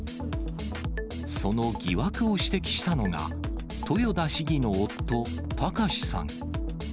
その疑惑を指摘したのが、豊田市議の夫、貴志さん。